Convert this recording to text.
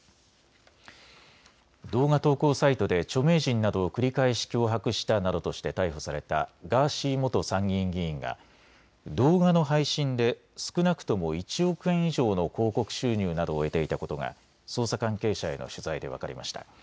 動画投稿サイトで著名人などを繰り返し脅迫したなどとして逮捕されたガーシー元参議院議員が動画の配信で少なくとも１億円以上の広告収入などを得ていたことが捜査関係者への取材で分かりました。